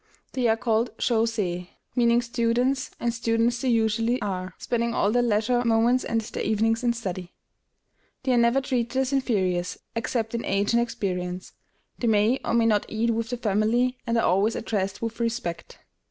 They are called Sho séi, meaning students, and students they usually are, spending all their leisure moments and their evenings in study. They are never treated as inferiors, except in age and experience; they may or may not eat with the family, and are always addressed with respect.